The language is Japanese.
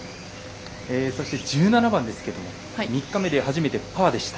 そして１７番ですけど３日目で初めてパーでした。